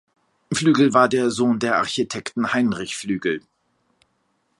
Flügel war der Sohn der Architekten Heinrich Flügel.